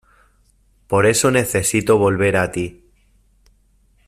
por eso necesito volver a ti